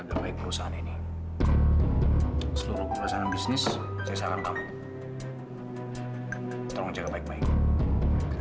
sampai jumpa di video selanjutnya